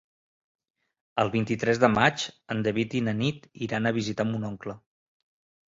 El vint-i-tres de maig en David i na Nit iran a visitar mon oncle.